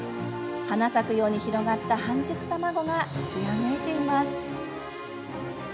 花咲くように広がった半熟卵がつやめいています。